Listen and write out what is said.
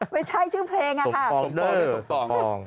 ไม่ใช่ชื่อเพลงอะค่ะสมปองหรือสมปอง